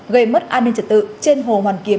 gây mất an ninh trật tự trên hồ hoàn kiếm